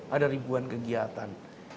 ada ribuan kegiatan